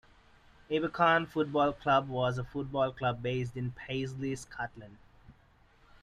Abercorn Football Club was a football club based in Paisley, Scotland.